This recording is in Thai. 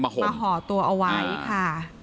ห่อตัวเอาไว้ค่ะ